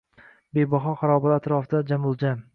Bebaho xarobalar atrofida jamuljam.